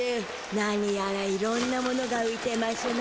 なにやらいろんなものがういてましゅな